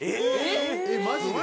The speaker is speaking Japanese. えっマジで？